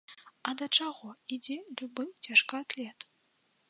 А да чаго ідзе любы цяжкаатлет?